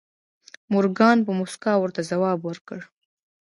مورګان په موسکا ورته ځواب ورکړ